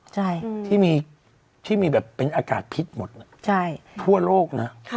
ใช่ที่มีที่มีแบบเป็นอากาศพิษหมดน่ะใช่ทั่วโลกนะ